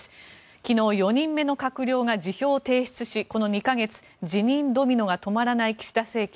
昨日、４人目の閣僚が辞表を提出しこの２か月辞任ドミノが止まらない岸田政権。